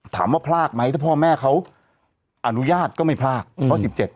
พรากไหมถ้าพ่อแม่เขาอนุญาตก็ไม่พลากเพราะ๑๗